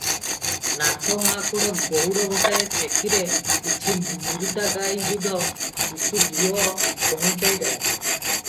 ନାଥ ମହାକୁଡ଼ ଗଉଡ଼ ଗୋଟାଏ ଠେକିରେ କିଛି ନିରୁତା ଗାଈଦୁଧ, ଦିଶୁ ଘିଅ ପହୁଞ୍ଚାଇ ଦେଲା ।